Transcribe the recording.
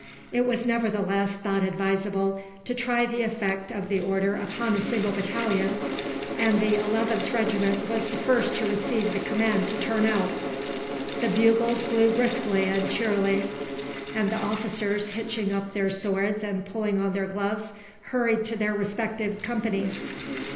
It was nevertheless thought advisable to try the effect of the order upon a single battalion, and the 11th Regiment was the first to receive the command to turn out. The bugles blew briskly and cheerily, and the officers, hitching up their swords and pulling on their gloves, hurried to their respective companies.